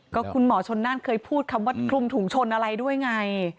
ก็คุณหมอชนนั่นเคยพูดคำว่าคลุมถุงชนอะไรด้วยไง